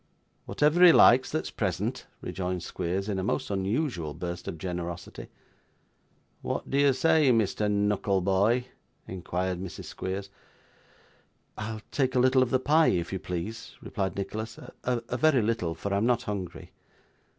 'Whatever he likes that's present,' rejoined Squeers, in a most unusual burst of generosity. 'What do you say, Mr. Knuckleboy?' inquired Mrs. Squeers. 'I'll take a little of the pie, if you please,' replied Nicholas. 'A very little, for I'm not hungry.